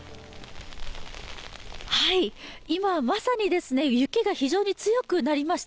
今、まさに雪が非常に強くなりました。